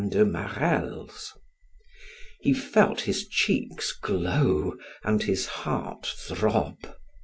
de Marelle's. He felt his cheeks glow and his heart throb.